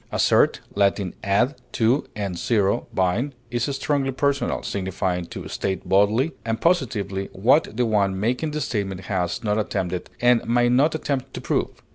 Assert (L. ad, to, and sero, bind) is strongly personal, signifying to state boldly and positively what the one making the statement has not attempted and may not attempt to prove.